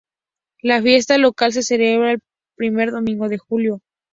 La fiesta local se celebra el primer domingo de julio.